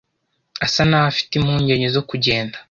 asa naho afite impungenge zo kugenda.